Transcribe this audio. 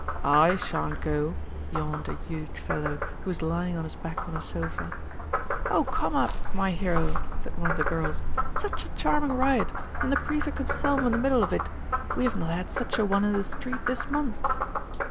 'I shan't go,' yawned a huge fellow, who was lying on his back on a sofa. 'Oh come up, my hero,' said one of the girls. 'Such a charming riot, and the Prefect himself in the middle of it! We have not had such a one in the street this month.